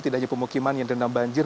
tidak hanya pemukiman yang dendam banjir